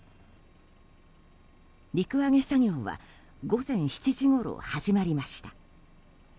陸揚げ作業は午前７時ごろ始まりました。